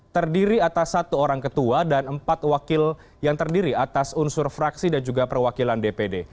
terdiri atas satu orang ketua dan empat wakil yang terdiri atas unsur fraksi dan juga perwakilan dpd